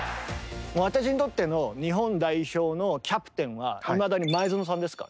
私にとっての日本代表のキャプテンはいまだに前園さんですから。